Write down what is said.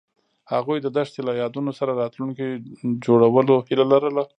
هغوی د دښته له یادونو سره راتلونکی جوړولو هیله لرله.